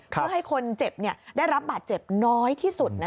เพื่อให้คนเจ็บได้รับบาดเจ็บน้อยที่สุด